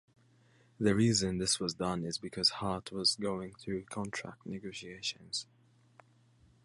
The reason this was done is because Hart was going through contract negotiations.